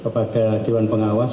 bagi dewan pengawas